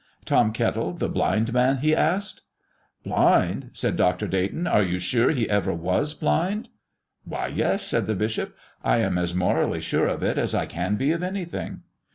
"Tom Kettle, the blind man?" he asked. "Blind?" said Dr. Dayton. "Are you sure he ever was blind?" "Why, yes," said the bishop. "I am as morally sure of it as I can be of anything."